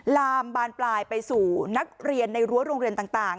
ลามบานปลายไปสู่นักเรียนในรั้วโรงเรียนต่าง